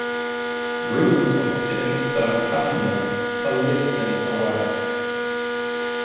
Ruins of the Seneca Stone Cutting Mill are less than away.